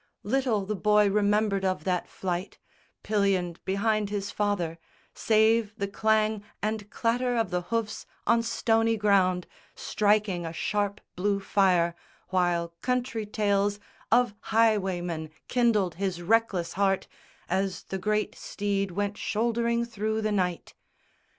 Little the boy remembered of that flight, Pillioned behind his father, save the clang And clatter of the hoofs on stony ground Striking a sharp blue fire, while country tales Of highwaymen kindled his reckless heart As the great steed went shouldering through the night.